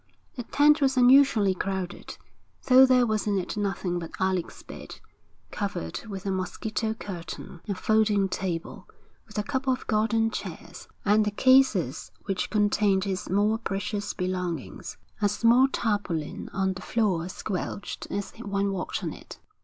The tent was unusually crowded, though there was in it nothing but Alec's bed, covered with a mosquito curtain, a folding table, with a couple of garden chairs, and the cases which contained his more precious belongings. A small tarpaulin on the floor squelched as one walked on it.